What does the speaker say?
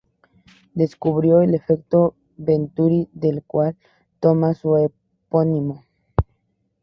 Descubrió el efecto Venturi del cual toma su epónimo.